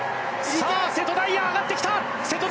瀬戸大也、上がってきた！